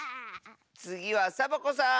つぎはサボ子さん！